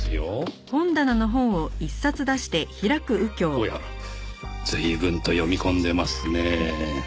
おや随分と読み込んでますねぇ。